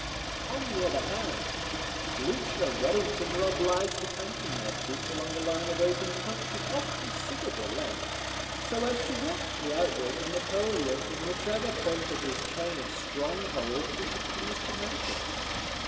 On the other hand, Blucher and Wellington were obliged to canton their troops along a line of open country of considerable length, so as to watch for the outbreak of Napoleon from whichever point of his chain of strongholds he should please to make it.